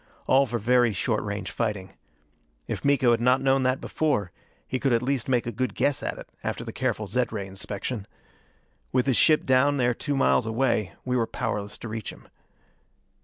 All for very short range fighting. If Miko had not known that before, he could at least make a good guess at it after the careful zed ray inspection. With his ship down there two miles away, we were powerless to reach him.